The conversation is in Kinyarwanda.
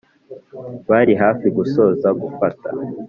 bari hafi gusoza gufata